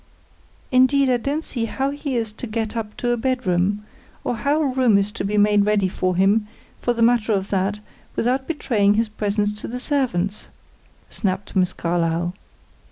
"Indeed I don't see how he is to get up to a bedroom, or how a room is to be made ready for him, for the matter of that, without betraying his presence to the servants," snapped Miss Carlyle.